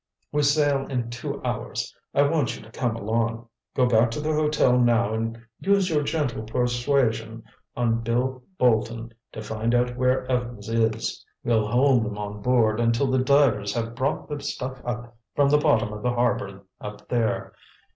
"We sail in two hours. I want you to come along. Go back to the hotel now and use your gentle persuasion on Bill Bolton to find out where Evans is. We'll hold them on board until the divers have brought the stuff up from the bottom of the harbor up there.